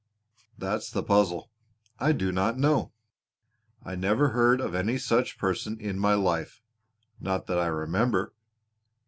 "That's the puzzle! I do not know. I never heard of any such person in my life not that I remember.